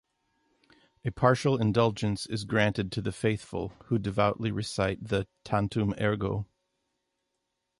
A partial indulgence is granted to the faithful, who devoutly recite the "Tantum Ergo".